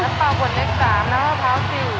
น้ำเปล่าขวดเล็ก๓น้ำวะพร้าวซิล